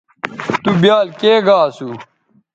تُو بیال کے گا اسُو